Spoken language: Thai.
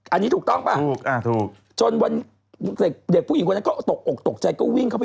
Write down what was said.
อันนี้ถูกต้องปะ